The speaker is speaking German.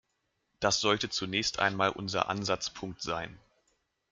Das sollte zunächst einmal unser Ansatzpunkt sein.